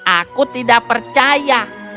aku tidak percaya